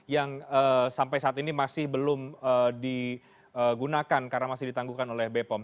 yang sampai saat ini masih belum digunakan karena masih ditangguhkan oleh bepom